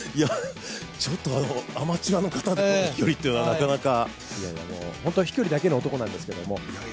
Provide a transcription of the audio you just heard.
ちょっとアマチュアの方の飛距離ってなかなか本当は飛距離だけの男なんですけど。